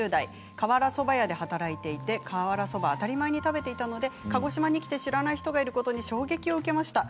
瓦そば屋で働いていて当たり前に食べていたので鹿児島に来て知らない人がいることに衝撃を受けました。